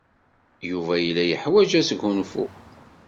Yuba yella yeḥwaj asgunfu.